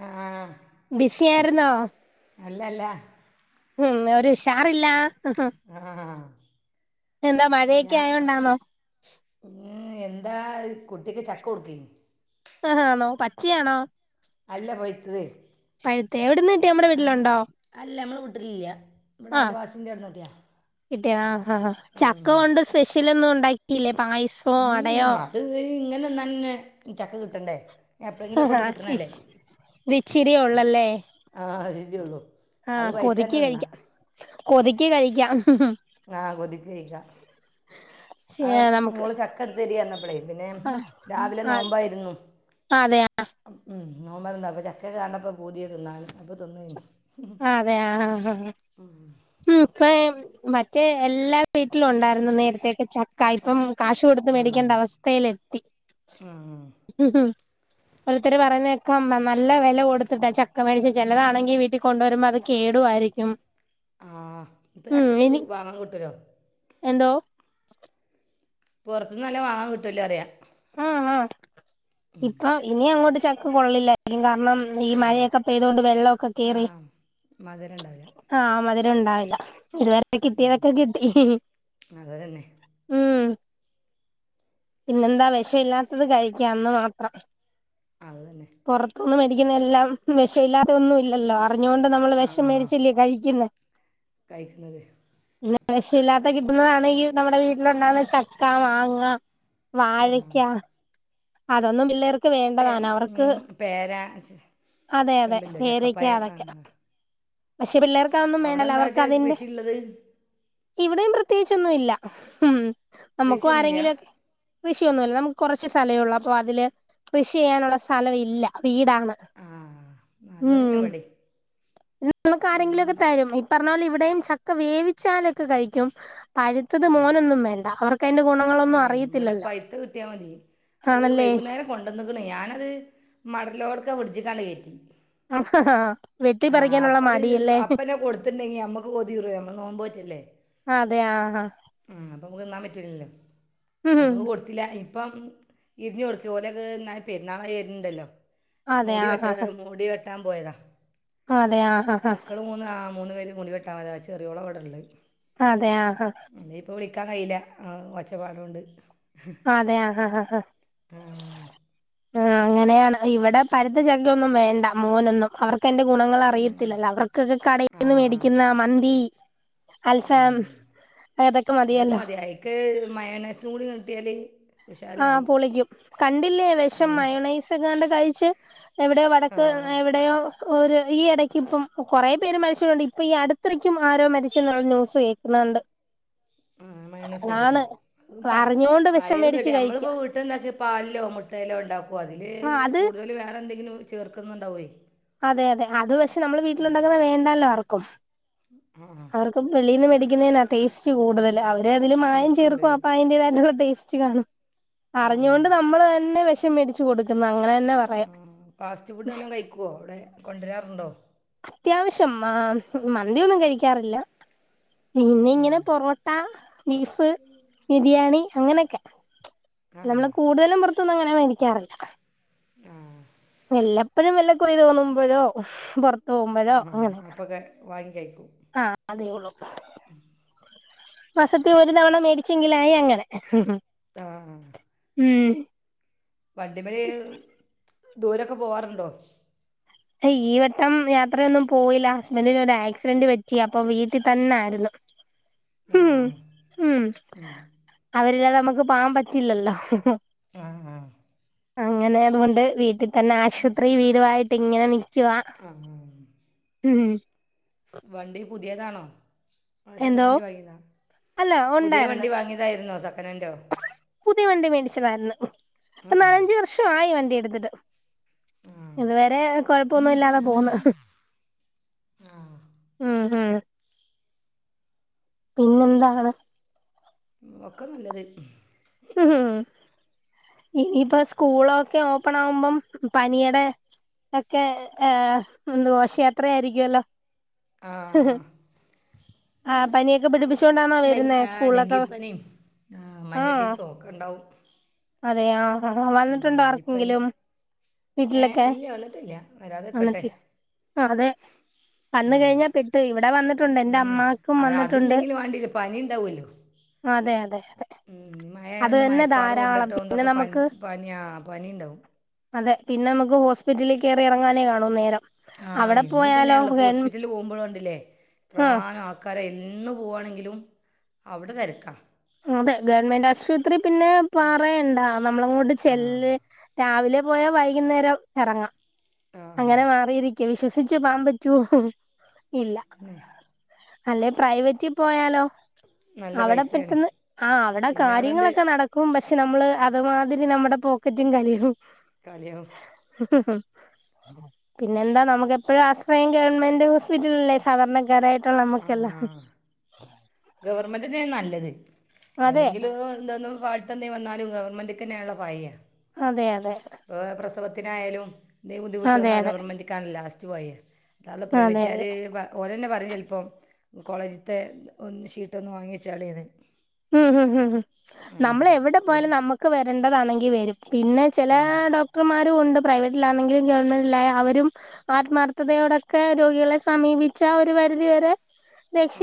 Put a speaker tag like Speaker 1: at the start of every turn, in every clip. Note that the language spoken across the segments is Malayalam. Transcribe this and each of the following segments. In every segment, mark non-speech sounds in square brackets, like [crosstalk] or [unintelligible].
Speaker 1: ആ
Speaker 2: ബിസിയായിരുന്നോ
Speaker 1: അല്ലല്ല
Speaker 2: ഉം ഒരു ഉഷാറില്ല
Speaker 1: ആഹ്
Speaker 2: എന്താ മഴയൊക്കെ ആയത് കൊണ്ടന്നോ
Speaker 1: എന്താ കുട്ടിക്ക് ചക്ക കൊടുക്കെ
Speaker 2: ആഹ ആണോ പച്ചയാണോ
Speaker 1: അല്ല പയത്തത്
Speaker 2: പഴുത്തത്തെ എവിടെ നിന്ന് കിട്ടി നമ്മടെ വീട്ടിലുണ്ടോ
Speaker 1: അല്ല നമ്മള് വിട്ടിലില്ല
Speaker 2: ആഹ് കിട്ടിയ ആഹ് ചക്ക
Speaker 1: ഉം.
Speaker 2: കൊണ്ട് സ്പെഷ്യലൊന്നും ഉണ്ടാക്കിയില്ലേ പായസ-
Speaker 1: ഉം അത് ഇങ്ങനെ തന്നെ ചക്ക കിട്ടണ്ടേ
Speaker 2: ആ
Speaker 1: എപ്പോഴെങ്കിലുമൊക്കെ
Speaker 2: ഹാ
Speaker 1: ഒന്ന് കിട്ടണല്ലേ
Speaker 2: ഇത്ച്ചിരിയ ഉള്ളല്ലേ
Speaker 1: ആഹ് അഹ് ഇച്ചിരിയെയുള്ളൂ അത്
Speaker 2: ആഹ്
Speaker 1: പായിത്ത്
Speaker 2: കൊതിക്ക്
Speaker 1: ത്തന്നെ തിന്നാ
Speaker 2: കഴിക്കാം കൊതിക്ക് കഴിക്കാം
Speaker 1: ആഹ് കൊതിക്കയ്ക്ക ആ
Speaker 2: നമുക്ക്
Speaker 1: മോള് ചക്കടത്തിതന്നപോലെ പിന്നെ രാവിലെ നോമ്പായിരുന്നു
Speaker 2: അതെയോ
Speaker 1: ഉം നോമ്പായിരുന്നു അപ്പ ചക്കെ കണ്ടപ്പോൾ പൂതിയ തിന്നാ അപ്പോൾ തിന്നേന്
Speaker 2: ആഹ് അതെ ആഹ് ആഹ് ഉം ഇപ്പ മറ്റേ എല്ലാം വീട്ടിലുണ്ടായിരുന്നു നേരത്തേക്ക് ചക്ക ഇപ്പം കാശ് കൊടുത്ത മേടിക്കേണ്ട അവസ്ഥയിലെത്തി
Speaker 1: ആഹ
Speaker 2: ഉം ഒരുത്തർ പറഞ്ഞക്കാ നല്ല വില കൊടുത്തിട്ടാ ചക്ക മേടിച്ച് ചിലതാണെങ്കിൽ വീട്ടിൽ കൊണ്ടുവരുമ്പോ അത് കേടുവായിരിക്കും
Speaker 1: ആഹ് ഇപ്പ
Speaker 2: ഉം
Speaker 1: ചക്ക
Speaker 2: ഇനി
Speaker 1: വാങ്ങ കിട്ടലോ
Speaker 2: എന്തോ
Speaker 1: പുറത്തത്ത്ന്നല്ല വാങ്ങാൻ കിട്ടല്ലോ പറയാ
Speaker 2: ഇപ്പം ഇനി അങ്ങോട്ട് ചക്ക് കൊള്ളില്ല [unintelligible] കാരണം ഈ മഴയൊക്കെ പെയ്തൊണ്ട് വെള്ളമൊക്കെ
Speaker 1: ആ
Speaker 2: കേറി
Speaker 1: മധുരം ഉണ്ടാവില്ല
Speaker 2: ആഹ് മധുരം ഉണ്ടാവില്ല ഇതുവരെ കിട്ടിയതൊക്കെ കിട്ടി
Speaker 1: അത് തന്നെ
Speaker 2: ഉം പിന്നെന്താ വ- വി ക്ഷ ഇല്ലാത്തത് കഴിക്ക അന്ന് മാത്രം
Speaker 1: അതുതന്നെ
Speaker 2: പുറത്തനിന്നും മേടിക്കുന്നത എല്ലാം വിഷാല്ലാതെ ഒന്നുംല്ല എല്ലാ അറിഞ്ഞോണ്ട് നമ്മള്
Speaker 1: ആ
Speaker 2: വേഷം
Speaker 1: ആ
Speaker 2: മേടിച്ചല്ലേ കഴിക്ക്ന്നെ
Speaker 1: കഴിക്കുന്നത്
Speaker 2: പിന്ന വേഷ ഇല്ലാത്ത കിട്ടുന്നതാണെങ്കി നമ്മട വീട്ടിലുണ്ടാവുന്ന ചക്ക മാങ്ങ വാഴ ക്കാ അതൊന്നും പിള്ളേർ
Speaker 1: തെ ഉം പേരാ ച്
Speaker 2: അതെ അതെ പേരക്ക അതെക്കെ പക്ഷേ പിള്ളേർ ക്കതൊന്നും
Speaker 1: അവിടെ
Speaker 2: വേണ്ടല്ല
Speaker 1: എന്താ വെച്ചാൽ
Speaker 2: അവർക്കതിന്റെ
Speaker 1: കൃഷി ഉള്ളത്
Speaker 2: ഇവ്ടെയും പ്രത്യേകിച്ചൊന്നു ഇല്ല ഉം നമുക്കും
Speaker 1: കൃഷിയൊന്നുമില്ല
Speaker 2: ആരെങ്കിലൊക്കെ കൃഷിയൊന്നൂല നമുക്ക് കൊറച്ച് സ്ഥല ഉള്ളപ്പൊ അതില് കൃഷി ചെയ്യാനുള്ള സലം ഇല്ല വീടാണ്
Speaker 1: ആഹ് അതോലന്നാ ഇവ്ടേം
Speaker 2: ഉം നമുക്കാരെങ്കിലൊക്ക തെരും ഈ പറഞ്ഞ പോലെ ഇവ്ടെയും ചക്ക വേവിച്ചാലൊക്ക കഴിക്കും പഴ്‌ത്തത് മോനൊന്നും വേണ്ട അവർക്കയ്ന്റെ ഗുണങ്ങള്
Speaker 1: ഏഹ് ഇവ്ട പൈത്ത കിട്ടിയാമതി അത്
Speaker 2: ആണല്ലേ
Speaker 1: വൈകുന്നേരം പ്പ കൊണ്ടന്ന്ക്ക്ണെ ഞാനത് മടലോടൊക്ക ഫ്രിഡ്ജിക്കണ് കേറ്റി
Speaker 2: ആഹാ വെട്ടി
Speaker 1: ആഹ്
Speaker 2: പറിക്കാനുള്ള
Speaker 1: അപ്പത്
Speaker 2: മടിയല്ലേ
Speaker 1: അപ്പലെ കൊട്ത്ത്ണ്ടെങ്കി അമ്മക്ക് കൊതിഊറ് വേ അമ്മള് നോമ്പോറ്റല്ലേ
Speaker 2: അതെ ആഹ് അഹ
Speaker 1: ആഹ് അപ്പ നമക്ക് തിന്നാം പറ്റൂല്ലല്ലോ
Speaker 2: ഉം
Speaker 1: അപ്പൊ കൊടുത്തില്ല ഇപ്പം ഇരിഞ്ഞ് കൊട്ക്കെ ഒലെക്ക ഇന്നായി പെരുന്നാളായി വര്ന്നുണ്ടല്ലോ
Speaker 2: അതെ
Speaker 1: മൂടി
Speaker 2: ആഹാ
Speaker 1: വെട്ട മൂടി വെട്ടാൻ പോയതാ
Speaker 2: അതെ ആഹാ
Speaker 1: മക്കള ആഹ മൂന്ന് പേര് മുടി വെട്ട പോയത ചെറിയോള വിടന്റ്
Speaker 2: അതെ ആഹാ അഹ
Speaker 1: അല്ലെ ഇപ്പൊ വിളിക്കാം കയില്ല അഹ ഒച്ചപ്പാട് കൊണ്ട്
Speaker 2: അതെയ അഹ അഹാ അഹാ ആഹ് അങ്ങനെ ആണ് ഇവ്ടെ പഴുത്ത ചക്കെ ഒന്നും വേണ്ട മോനൊന്നും അവർക്ക് അന്റ ഗുണങ്ങളറിയത്തില്ലല്ലോ അവർക്കെക്കെ
Speaker 1: ആ
Speaker 2: കടെന്ന് മേടിക്കുന്ന മന്തി
Speaker 1: ആ.
Speaker 2: അൽഫാം ഏതൊക്കെ മതിയല്ലോ
Speaker 1: ക്ക് മയണെസും കൂടി കട്ടിയാല്
Speaker 2: ആഹ് പൊളിക്കും കണ്ടില്ലേ വെഷം
Speaker 1: ഉം.
Speaker 2: മയോണൈസങ്ങാണ്ട് കയിച്ച് എവിടെയോ വടക്ക്
Speaker 1: ആ
Speaker 2: എവിടെയോ ഒര് ഈ എടക്ക് ഇപ്പം കൊറേ പേര് മരിച്ച്ട്ടുണ്ട് ഇപ്പൊ ഈ അട്ത്തെടയ്ക്കും ആരോ മരിച്ചെന്നുള്ള ന്യൂസ് കേക്ക്ന്നാണ്ട്
Speaker 1: ഉം മയോണൈസ് കയിച്ചിട്ടോ അ പ
Speaker 2: അറിഞ്ഞോണ്ട് വിഷം
Speaker 1: പലേതും
Speaker 2: മേടിച്ച്
Speaker 1: കേട്ടി
Speaker 2: കഴിക്ക
Speaker 1: അമ്മള്പ്പോ വീട്ട്ണ്ടാക്കി പാൽലോ മൊട്ടെലോ ഒണ്ടാക്കുവതില്
Speaker 2: ആഹ് അത്
Speaker 1: കൂടുതല് വേറെ എന്തെങ്കിലും ചേർക്കുന്നുണ്ടാവുവേ
Speaker 2: അതെ അതെ അത് പക്ഷെ നമ്മള് വീട്ടിലുണ്ടാക്കുന്ന വേണ്ടാല്ലോ ആർക്കും
Speaker 1: ആഹ്
Speaker 2: അവർക്കെന്നും വെളീന്ന് മേടിക്കുന്നെനാത്തെ ടെസ്റ്റ്‌ കൂടുതലാ അ ദെ അതില് മായം
Speaker 1: ടേസ്റ്റ്
Speaker 2: ചേർക്കും
Speaker 1: കൂടുതൽ
Speaker 2: അപ്പ അയിന്റേതായിട്ടുള്ള ടേസ്റ്റ് കാണും
Speaker 1: ആ
Speaker 2: അറിഞ്ഞോണ്ട് നമ്മള് തന്നെ വെഷം മേടിച്ച് കൊട്ക്ക്ന്ന് അങ്ങന അന്ന പറയാം
Speaker 1: ക്ക് വോ അവ്ടെ കൊണ്ട്രാറുണ്ടോ
Speaker 2: അത്യാവശം മാ മന്തിയൊന്നും കഴിക്കാറില്ല പിന്ന ഇങ്ങനെ പൊറോട്ട ട്ട ബീഫ് ബിരിയാണി അങ്ങനെക്കെ
Speaker 1: ആ
Speaker 2: നമ്മള് കൂട്തലും പൊറ ത്ത് ന്നങ്ങനെ മേടിക്കാറില്ല
Speaker 1: ആഹ്
Speaker 2: വല്ലപ്പഴും വല്ല കൊയ് തോന്നുമ്പഴോ പൊറത്ത്
Speaker 1: അപ്പക്ക വാങ്ങികഴിക്കും
Speaker 2: ആ അതേ ഒള്ളൂ മാസത്തി ഒര് തവണ മേടിച്ചെങ്കിലായി അങ്ങനെ
Speaker 1: ആഹ് ഹഹ
Speaker 2: ഉം
Speaker 1: വണ്ടിമയ് ദൂരൊക്ക പോവാറുണ്ടോ
Speaker 2: ഈ വട്ടം യാത്രയൊന്നും പോയില്ല ഹസ്ബൻറിന് ഒരു ആക്സിഡന്റ് പറ്റി അപ്പൊ വീട്ടിൽ തന്നെ ആയിരുന്നു
Speaker 1: ആ
Speaker 2: [unintelligible] ഉം ഉം
Speaker 1: ഉം.
Speaker 2: അവരില്ലാതെ നമുക്ക് പോകാൻ പറ്റില്ലല്ലോ
Speaker 1: ആഹ ആഹ്
Speaker 2: അങ്ങനെ അതുകൊണ്ട് വീട്ടിൽ തന്നെ ആശുപത്രി വീടുമായിട്ട് ഇങ്ങനെ നിക്കുവാ
Speaker 1: ആ
Speaker 2: ഉം
Speaker 1: വണ്ടി പുതിയതാണോ ആ സെക്കൻഡ്
Speaker 2: എന്തോ
Speaker 1: ഹാൻഡ് വാങ്ങിയതാ
Speaker 2: അല്ല
Speaker 1: പുതിയ
Speaker 2: ഉണ്ടായിരുന്നു
Speaker 1: വണ്ടി വാങ്ങിയതായിരുന്നോ സെക്കൻഡ് ഹാൻഡോ
Speaker 2: പുതിയ വണ്ടി മേടിച്ചതായിരുന്നു നാലഞ്ച വർഷം ആയി വണ്ടി എടുത്തിട്ട്
Speaker 1: ആ
Speaker 2: ഇതുവരെ കൊഴപ്പൊന്നും ഇല്ലാതെ പോകുന്നു ഉം ഉം പിന്നെന്താണ്
Speaker 1: ഒക്കെ നല്ലത്
Speaker 2: ഉംം ഇപ്പൊ സ്കൂളൊക്കെ ഓപ്പൺ ആകുമ്പോൾ പനിയുടെ ഒക്കെ ആ ഘോഷയാത്ര ആയിരിക്കുവല്ലോ ആ
Speaker 1: ആഹ്
Speaker 2: പനിയൊക്കെ പിടിപ്പിച്ചുകൊണ്ട
Speaker 1: ഡെ ആഹ ഡെങ്കിപ്പനിയ ആ മഞ്ഞപ്പീത്തും ഒക്കെ ഉണ്ടാവും
Speaker 2: അതെയാ ആ അ ആ
Speaker 1: ഉം,
Speaker 2: വന്നിട്ടുണ്ടോ
Speaker 1: എലിപ്പനി
Speaker 2: ആർക്കെങ്കിലും
Speaker 1: ഏ
Speaker 2: വീട്ടിലെക്കെ
Speaker 1: ഇല്ല വന്നിട്ടില്ല വരാതെ നിൽക്കട്ടെ
Speaker 2: വന്നിട്ടില്ല ആ അതെ വന്ന
Speaker 1: ആ
Speaker 2: കഴിഞ്ഞാ പെട്ടു ഇവിടെ വന്നിട്ടുണ്ട് എന്റെ
Speaker 1: ഉം,
Speaker 2: അമ്മാക്കും
Speaker 1: അത്
Speaker 2: വന്നിട്ടുണ്ട്
Speaker 1: അതില്ലെങ്കിൽ വേണ്ടിയില്ല പനി ഉണ്ടാവുമല്ലോ
Speaker 2: അതെ അതെ അതെ
Speaker 1: മഴ
Speaker 2: അത്
Speaker 1: ആയതുകൊണ്ട്
Speaker 2: തന്നെ
Speaker 1: മയപ്പാറ
Speaker 2: ധാരാളം
Speaker 1: കൊണ്ടിട്ടും
Speaker 2: പിന്നെ
Speaker 1: ഇതൊക്കെ പനി
Speaker 2: നമുക്ക്
Speaker 1: പനാ പനി ഉണ്ടാവും
Speaker 2: അതെ പിന്നെ നമുക്ക് ഹോസ്പിറ്റലിൽ കയറി ഇറങ്ങാനേ കാണൂ നേരം
Speaker 1: ആ
Speaker 2: അവിടെ
Speaker 1: ഇന്ന്
Speaker 2: പോയാലോ
Speaker 1: തന്നെയണള്ളപ്പോ
Speaker 2: ഗവൺ
Speaker 1: ഹോസ്പിറ്റലിൽ പോകുമ്പോഴ ഉണ്ടല്ലേ
Speaker 2: ആഹ്
Speaker 1: ആൾക്കാരെ എന്ന് പോവാണെങ്കിലും അവിടെ തെരക്ക.
Speaker 2: അതെ ഗവൺമെന്റ് ആശുപത്രി പിന്നെ പാറയണ്ടാ നമ്മളങ്ങോട്ട്
Speaker 1: ആ
Speaker 2: ചെല്ല് രാവിലെ പോയാ വൈകുന്നേരം എറങ്ങാ.
Speaker 1: ആ ആ.
Speaker 2: അങ്ങനെ മാറിയിരിക്ക വിശ്വസിച്ചു പോവാൻ പറ്റുവോ ഇല്ല.
Speaker 1: [unintelligible]
Speaker 2: അല്ലെ പ്രൈവറ്റിൽ പോയാലോ
Speaker 1: നല്ല
Speaker 2: അവിടെ
Speaker 1: പൈസയാണ്
Speaker 2: പെട്ടന്ന് ആ അവിടെ
Speaker 1: പിന്നെ ഉണ്ട്
Speaker 2: കാര്യങ്ങളൊക്കെ നട ക്കും പക്ഷെ നമ്മള് അതുമാതിരി നമ്മുടെ പോക്കറ്റും കാലിയാവും.
Speaker 1: കാലിയാവും.
Speaker 2: [inaudible] പിന്നെന്താ നമുക്ക് എപ്പഴും ആശ്രയം ഗവൺമെന്റ് ഹോസ്പിറ്റലല്ലേ സാധാരണക്കാരായി ട്ടുള്ള നമ്മക്കെല്ലാം.
Speaker 1: ഗവർമെന്റന്നെ നല്ലത്.
Speaker 2: അതെ
Speaker 1: എന്തെങ്കിലും ത് എന്താന്നും [unintelligible] തന്നെ വന്നാലും ഗവൺമെന്റക്ക തന്നെള്ള പറയാ.
Speaker 2: അതെ അതെ.
Speaker 1: [unintelligible] പ്രസവത്തിനായാലും എന്തെങ്കി ബുദ്ധിമുട്ട്
Speaker 2: അതെ അതെ
Speaker 1: വന്നാ
Speaker 2: അതെ
Speaker 1: ഗവർമെന്റ്ക്കാണല്ല ലാസ്റ്റ് പറയാ. [unintelligible]
Speaker 2: അതെ
Speaker 1: പ്രൈവറ്റുകാര് പ ഓരന്നെ പറയും ചെലപ്പോം കോളേജത്തെ ഒന്ന് ശീട്ടൊന്ന് വാങ്ങി വെച്ചാളീന്ന്.
Speaker 2: മ്മ് ഹും ഹും നമ്മൾ എവിടെ പോയാലും
Speaker 1: ഓല്
Speaker 2: നമ്മക്ക് വരേണ്ടതാണെങ്കി വരും. പിന്നെ ചെല
Speaker 1: ഉം.
Speaker 2: ഡോക്ടർമാരും ഉണ്ട് പ്രൈവറ്റിലാണെങ്കിലും ഗവൺമെന്റില അവരും, ആത്മാർഥതയോടൊക്കെ രോഗികളെ സമീപിച്ച ഒരു പരിധിവരെ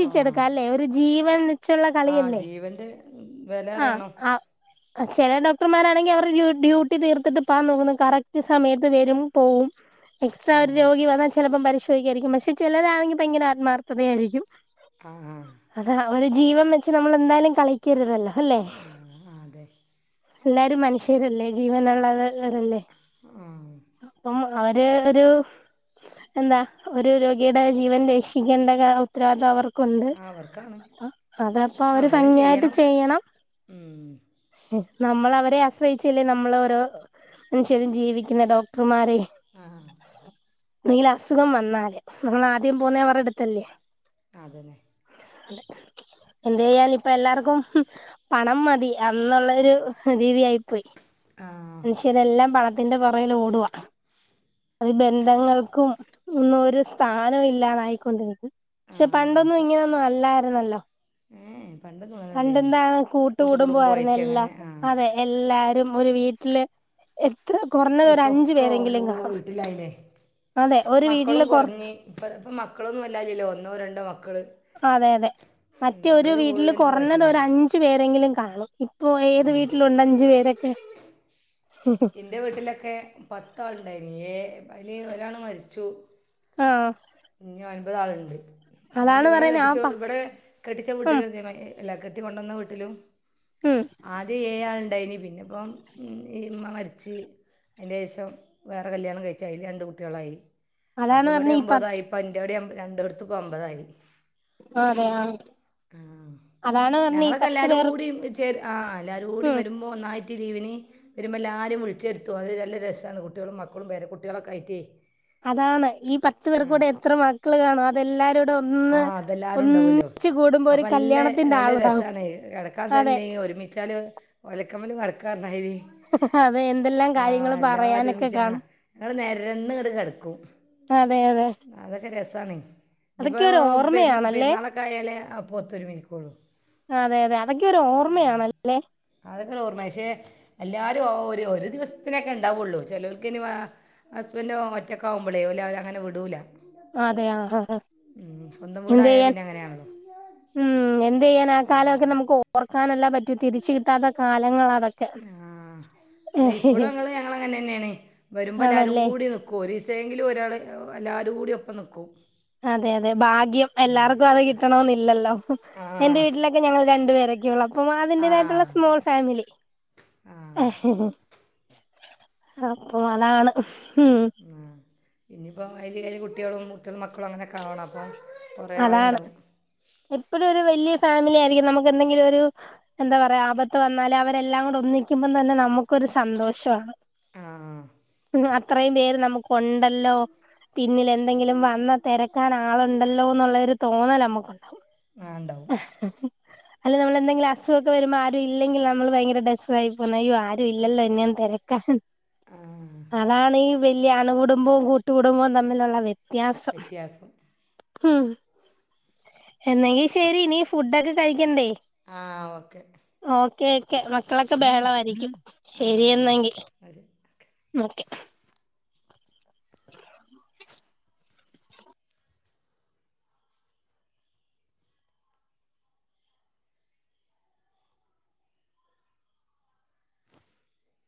Speaker 1: ആ
Speaker 2: ഒരു ജീവൻ വെച്ചുള്ള കളിയല്ലേ.
Speaker 1: ജീവന്റെ [unintelligible]
Speaker 2: ആഹ് ആ ചെല ഡോക്ടർമാരാണെങ്കി അവര്ട ഡ്യൂ ഡ്യൂട്ടി തീർത്തിട്ട് പാൻ നോക്കുന്നു കറക്റ്റ് സമയത്ത് വരും. പോവും. എക്സ്ട്രാ
Speaker 1: ആ
Speaker 2: ഒരു രോഗി വന്നാ ചെലപ്പം പരിശോധിക്കായിരിക്കും. പക്ഷെ ചിലരാണെങ്കി ഭയങ്കര ആത്മാർത്ഥതയായിരിക്കും.
Speaker 1: ആഹ് ആ.
Speaker 2: അതാ ഒരു ജീവൻ വെച്ച് നമ്മള് എന്തായാലും കളിക്കരുതല്ല അല്ലേ?
Speaker 1: ആ അതെ
Speaker 2: എല്ലാരും മനുഷ്യരല്ലേ, ജീവനുള്ളവരല്ലേ. അപ്പം അവര് ഒരു എന്താ ഒരു രോഗിയുടെ ജീവൻ രക്ഷിക്കേണ്ട ഉത്തരവാദിത്തം അവർ ക്കുണ്ട്
Speaker 1: ആ അവർക്കാണ്
Speaker 2: അ അതപ്പൊ അവര് ഭംഗിയായിട്ട് ചെയ്യണം
Speaker 1: ഉം.
Speaker 2: നമ്മള് അവരെ ആശ്രയിച്ചല്ലേ നമ്മളോരോ മനുഷ്യരും ജീവിക്കുന്ന ഡോക്ടർമാരെ.
Speaker 1: ആഹ്
Speaker 2: ന്തങ്കിലും അസുഖം വന്നാല് നമ്മളാദ്യം പോന്നേ അവർട ടുത്തല്ലേ.
Speaker 1: അതന്നെ.
Speaker 2: [unintelligible] എന്തെയാലും പ പ്പ എല്ലാർക്കും പണം മതി എന്നുള്ളരു രീതിയായി പോയി.
Speaker 1: ആ
Speaker 2: മനുഷ്യരെല്ലാം പണത്തിന്റെ പൊറകിൽ ഓടുവാ. അത് ബന്ധങ്ങൾക്കും ഒന്നും ഒരു സ്ഥാനം ഇല്ലാതായിക്കൊണ്ടിരിക്കും.
Speaker 1: ആ
Speaker 2: പക്ഷെ പണ്ടൊന്നും ഇങ്ങനൊന്നും അല്ലായിരുന്നല്ലോ.
Speaker 1: ഏഹ് ഏ. പണ്ടൊന്നും അങ്ങനെയല്ലായിരുന്നു
Speaker 2: പണ്ടെന്താണ് കൂട്ടുകുടുംബം ആരുന്ന്
Speaker 1: കൂട്ടുകുടുംബമായിട്ട്
Speaker 2: എല്ലാ.
Speaker 1: അങ്ങനെ ആ
Speaker 2: അതെ എല്ലാരും ഒരു വീട്ടില്. എത്ര കൊറഞ്ഞത്
Speaker 1: ഇപ്പോൾ
Speaker 2: ഒരഞ്ചു
Speaker 1: ഒക്കെ ഓരോ
Speaker 2: പേരെങ്കിലും കാണും.
Speaker 1: വീട്ടിലായില്ലേ
Speaker 2: അതെ ഒരു വീട്ടില് കൊറ
Speaker 1: ഇപ്പ ഇപ്പ മക്കളൊന്നും വല്യാ ഇല്ലല്ലോ ഒന്നോ രണ്ടോ മക്കള്
Speaker 2: അതെ അതെ മറ്റേ ഒരു വീട്ടില്
Speaker 1: കൂടുതൽ ഇപ്പോൾ
Speaker 2: കൊറഞ്ഞത്
Speaker 1: പറ്റില്ല
Speaker 2: ഒരഞ്ചു പേരെങ്കിലും കാണും ഓ ഏത് വീട്ടിലുണ്ട് അഞ്ചു പേരൊക്കെ
Speaker 1: എൻ്റെ വീട്ടിലൊക്കെ പത്താളുണ്ടായിന് ഏ അതില് ഒരാള് മരിച്ചു
Speaker 2: ആഹ്
Speaker 1: പിന്ന ഒൻപതാളുണ്ട് അതേമാതിരി
Speaker 2: അതാണ്
Speaker 1: ഇവിടെ
Speaker 2: പറയുന്നെ ആ
Speaker 1: കെട്ടിച്ച
Speaker 2: പ
Speaker 1: ഇവിടെ കെട്ടിച്ച
Speaker 2: ഉം
Speaker 1: വീട്ടില് അതേ മാതിരി തന്നെ എല്ലാ കെട്ടി കൊണ്ടന്ന വീട്ടിലും
Speaker 2: ഉം
Speaker 1: ആദ്യം ഏഴാളിണ്ടായിനി പിന്നെ ഇപ്പം ഉമ്മ മരിച്ച് അതിൻ്റെ ശേഷം വേറെ കല്യാണം കഴിച്ച് അതില് രണ്ട് കുട്ടികളായി അപ്പ
Speaker 2: അതാണ് പറഞ്ഞെ ഈ പത്ത്
Speaker 1: ഇവിടെയൊമ്പോതായി പന്റേടിയം രണ്ടിടത്തും ഇപ്പം ഒമ്പതായി
Speaker 2: അതെ ആ
Speaker 1: ഉം
Speaker 2: അതാണ് പറഞ്ഞെ ഈ
Speaker 1: ഞങ്ങളൊക്കെ
Speaker 2: പത്ത് പേർ
Speaker 1: എല്ലാരൂടി ആ എല്ലരൂടി
Speaker 2: ഉം
Speaker 1: വരുമ്പോ ഒന്നായിറ്റ് ലീവിനി വരുമ്പോ എല്ലാരേം വിളിച്ചെരുത്തു അത് നല്ല രസാന്ന് കുട്ട്യളും മക്കളും പേര കുട്ട്യ ളൊക്കെ ആയിറ്റ്
Speaker 2: അതാണ് ഈ പത്ത് പേർ കൂടെ എത്ര മക് മക്കള് കാണും അതെല്ലാരും കൂടെ
Speaker 1: ആ
Speaker 2: ഒന്ന്
Speaker 1: അതെല്ലാവരും ഉണ്ടാവുമല്ലോ
Speaker 2: ഒന്നിച്ച് കൂടുമ്പോ ഒരു കല്യാണത്തിന്റെ ആളുണ്ടാവും അതെ
Speaker 1: കസല്ലേ ഒരുമിച്ചാല് ഒലക്കമ്മലും കടക്കാ പറഞ്ഞമാതിരി
Speaker 2: അതെ എന്തെല്ലാം കാര്യങ്ങള്
Speaker 1: ആഹ്
Speaker 2: പറയാനൊക്കെ
Speaker 1: എല്ലാരുംഒരുമിച്ചാ
Speaker 2: കാണും
Speaker 1: ഞങ്ങള് നെരന്നങ്ങട് കെടക്കും
Speaker 2: അതെ അതെ
Speaker 1: അതൊക്കെ രസാണ് ഇനിപ്പോ
Speaker 2: അതൊക്കെ ഒരു
Speaker 1: പെര
Speaker 2: ഓർമ്മയാണല്ലേ
Speaker 1: പെരുന്നാളൊക്കെ ആയാലേ അപ്പൊ ഒത്തൊരുമിക്കുള്ളൂ
Speaker 2: അതെ അതെ അതൊക്കെയൊരോർമ്മയാണല്ലേ
Speaker 1: അതൊക്കെ ഒരൊർമ്മയാ പക്ഷെ എല്ലാരും ഒരു ഒരു ദിവസത്തിനൊക്കെ ഉണ്ടാവുള്ളൂ ചെലർക്ക് ഇനി വേ ഹസ്ബൻഡ്‌ ഒറ്റക്കാവുമ്പോളേ ഓല് അവരെ അങ്ങനെ വിടൂല
Speaker 2: അതെയ ആഹ് ആഹ്
Speaker 1: ഉം സ്വന്തം വീടായാ പിന്നങ്ങനെയാണല്ലോ
Speaker 2: ഉം എന്തെയ്യാന ആ കാലമൊക്കെ നമുക്ക് ഓർക്കാനല്ലാ പ റ്റു തിരിച്ച് കിട്ടാത്ത കാലങ്ങള അതൊക്കെ
Speaker 1: ആഹ് അല്ല ഇപ്പോളു ഞങ്ങള് ഞങ്ങളങ്ങനെ തന്നെയേണ് വരുമ്പോ എല്ലാരും
Speaker 2: ആണല്ലേ
Speaker 1: കൂടി നി ക്കു ഒരീസേങ്കിലും ഒരാള് എല്ലാരു കൂടി ഒപ്പം നിക്കു
Speaker 2: അതെ അതെ ഭാഗ്യം എല്ലാർക്കും അത് കിട്ടണോന്നില്ലല്ലോ
Speaker 1: ആ
Speaker 2: എന്റെ വീട്ടില- ഞങ്ങൾ രണ്ടു പേരൊക്കെയ ഉള്ളൂ അപ്പ
Speaker 1: ആ
Speaker 2: അതിന്റതായിട്ടുള്ള സ്മോൾ ഫാമിലി
Speaker 1: ആ
Speaker 2: അപ്പം അലാണ് ഉ
Speaker 1: ഇനിയിപ്പോം അതിൽ കുട്ടികളും മക്കളും അങ്ങനൊക്കെ ആവണം അപ്പം കുറേ
Speaker 2: അതാണ്
Speaker 1: ആളുണ്ടാവും
Speaker 2: എപ്പഴും ഒരു വലിയ ഫാമിലി ആയിരിക്കും നമുക്ക് എന്തെങ്കിലും ഒരു എന്താ പറയാ ആപത്ത് വന്നാല അവരെല്ലാം കൂടെ ഒന്നിക്കുമ്പോം തന്നെ നമുക്കൊരു സന്തോഷമാണ്
Speaker 1: ആഹ്
Speaker 2: അത്രയും പേര് നമുക്ക്ണ്ടല്ലോ പിന്നിൽ എന്തെങ്കിലും വന്ന തിരക്കാൻ ആളുണ്ടല്ലോ എന്നുള്ളരു തോന്നൽ നമുക്കുണ്ടാവും
Speaker 1: ആ ഉണ്ടാവും
Speaker 2: അല്ല നമ്മൾന്തെങ്കിലും അസുഖൊക്കെ വരുമ്പോ ആരും ഇല്ലെങ്കിൽ നമ്മൾ ഭയങ്കര [unintelligible] പോന്ന അയ്യോ ആരും ഇല്ലല്ലോ എന്നെയൊന്ന് തിരക്കാൻ
Speaker 1: ആഹ്
Speaker 2: അതാണ് ഈ വലിയ അണുകുടുംബവും കൂട്ടുകുടുംബവും തമ്മിലുള്ള വ്യത്യാസം
Speaker 1: വ്യത്യാസം
Speaker 2: ഉം എന്നെങ്കി ശരി ഇനി ഫുഡൊക്കെ കഴിക്കണ്ടേ
Speaker 1: ആ ഓക്കെ
Speaker 2: ഓക്കെ ഓക്കെ മക്കളൊക്കെ വേളമായിയിരിക്കും
Speaker 1: ആ
Speaker 2: ശരിയെന്നെങ്കിൽ
Speaker 1: അത്
Speaker 2: ഓക്കെ